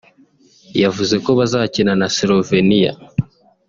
yavuze ko bazakina na Slovenia